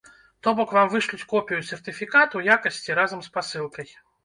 То бок вам вышлюць копію сертыфікату якасці разам з пасылкай.